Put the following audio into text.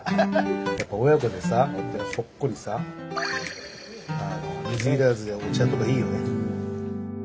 やっぱ親子でさこうやってほっこりさ水入らずでお茶とかいいよね。